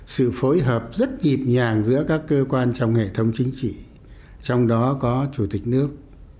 sự phối hợp rất nhịp nhàng giữa các cơ quan trong hệ thống chính trị trong đó có chủ tịch nước